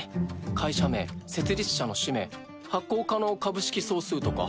会社名設立者の氏名発行可能株式総数とか。